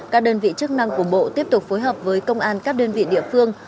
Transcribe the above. các đơn vị chức năng của bộ tiếp tục phối hợp với công an các đơn vị địa phương